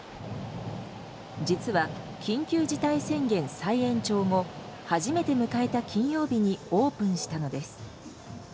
実は、緊急事態宣言再延長後初めて迎えた金曜日にオープンしたのです。